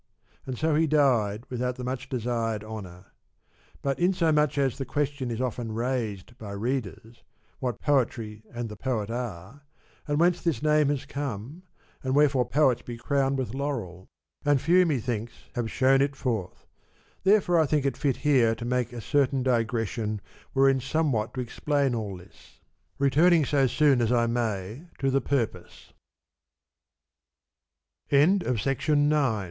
And so he died without the much desired honour. But in so much as the question is often raised by readers, what poetry and the poet are, and whence this name has come, and wherefore poets be crowned with laurel ; and few, methinks, have shewn it forth ; therefore I think fit here to make a certain digression wherein somewhat to explain all this, returning so soon as I may to the p